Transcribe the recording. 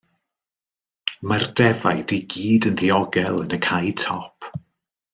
Mae'r defaid i gyd yn ddiogel yn y cae top.